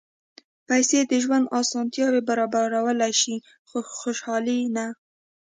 پېسې د ژوند اسانتیاوې برابرولی شي، خو خوشالي نه.